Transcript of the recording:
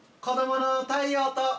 子どもの太陽と。